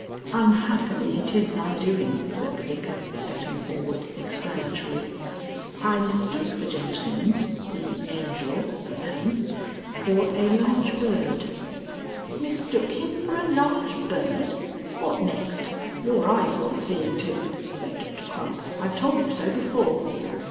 "Unhappily it is my doing," said the Vicar, stepping forward, explanatory. "I mistook the gentleman the Angel (ahem) for a large bird " "Mistook him for a large bird! What next? Your eyes want seeing to," said Doctor Crump. "I've told you so before."